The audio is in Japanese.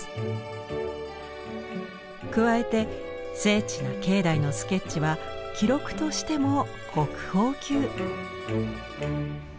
加えて精緻な境内のスケッチは記録としても国宝級！